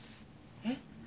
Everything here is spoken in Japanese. えっ。